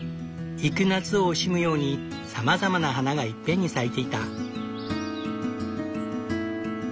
行く夏を惜しむようにさまざまな花がいっぺんに咲いていた。